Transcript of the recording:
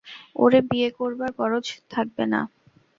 ওর বিয়ে করবার গরজ থাকবে না।